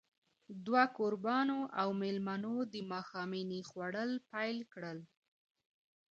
دوه کوربانو او مېلمنو د ماښامنۍ خوړل پيل کړل.